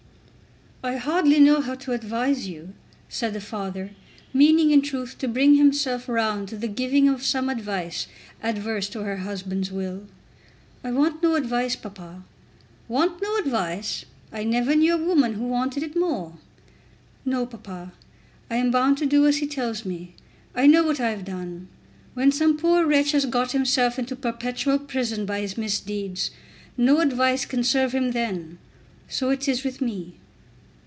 "I hardly know how to advise you," said the father, meaning in truth to bring himself round to the giving of some advice adverse to her husband's will. "I want no advice, papa." "Want no advice! I never knew a woman who wanted it more." "No, papa. I am bound to do as he tells me. I know what I have done. When some poor wretch has got himself into perpetual prison by his misdeeds, no advice can serve him then. So it is with me."